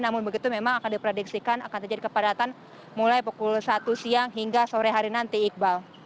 namun begitu memang akan diprediksikan akan terjadi kepadatan mulai pukul satu siang hingga sore hari nanti iqbal